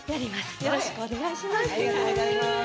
よろしくお願いします